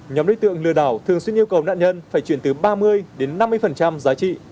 nhóm đối tượng lừa đảo thường xuyên yêu cầu nạn nhân phải chuyển từ ba mươi đến năm mươi giá trị